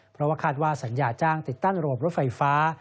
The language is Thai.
เพราะว่าคาดว่าสัญญาจ้างติดตั้งระบบรถไฟฟ้า